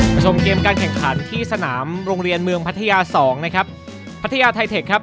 ชมเกมการแข่งขันที่สนามโรงเรียนเมืองพัทยาสองนะครับพัทยาไทเทคครับ